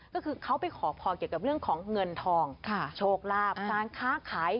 ก็คือเขาไปขอพรเกี่ยวกับเรื่องของเงินทองโชคลาภการค้าขาย